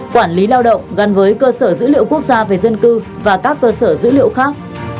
quản lý lao động gắn với cơ sở dữ liệu quốc gia về dân cư và các cơ sở dữ liệu khác